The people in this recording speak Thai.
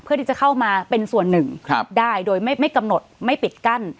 เพื่อที่จะเข้ามาเป็นส่วนหนึ่งได้โดยไม่กำหนดไม่ปิดกั้น